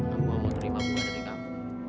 aku mau terima bunga dari kamu